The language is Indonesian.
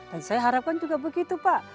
dan saya harapkan juga begitu pak